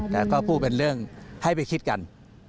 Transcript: แต่ก็พูดเป็นเรื่องให้ไปคิดกัน